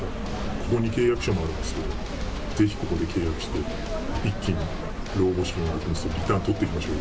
ここに契約書もあるんですけど、ぜひここで契約して、一気に老後資金を獲得してリターン取っていきましょう。